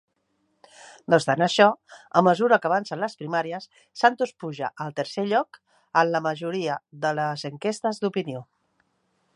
No obstant això, a mesura que avancen les primàries, Santos puja al tercer lloc en la majoria de les enquestes d'opinió.